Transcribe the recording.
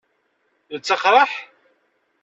Yettaqraḥ?